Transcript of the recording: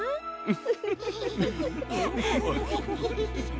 フフフ。